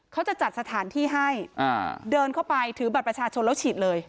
เขาจะจัดสถานที่ให้เดินเข้าไปถือบัตรประชาชนแล้วฉีดเลย